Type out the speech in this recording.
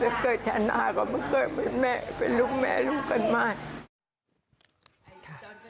เกิดธนาก็เพิ่งเกิดเป็นแม่เป็นลูกแม่ลูกกันมาก